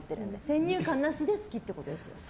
先入観なしで好きってことですよね。